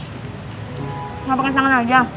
enggak pakai tangan aja